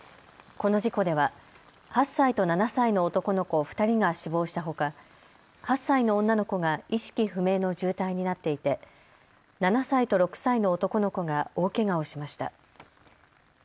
この事故では８歳と７歳の男の子２人が死亡したほか、８歳の女の子が意識不明の重体になっていて７歳と６歳の男の子が大けがをしました。